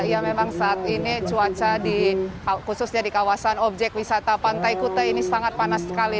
ya memang saat ini cuaca khususnya di kawasan objek wisata pantai kuta ini sangat panas sekali